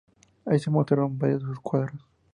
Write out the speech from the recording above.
Allí se mostraron varios de sus cuadros.